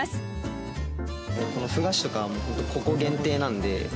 このふ菓子とかはここ限定なので。